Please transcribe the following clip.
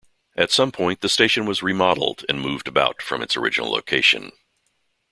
At some point, the station was remodeled and moved about from its original location.